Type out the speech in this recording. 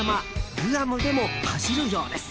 グアムでも走るようです。